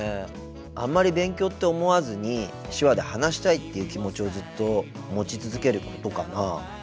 あんまり勉強って思わずに手話で話したいっていう気持ちをずっと持ち続けることかな。